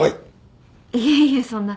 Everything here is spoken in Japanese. いえいえそんな。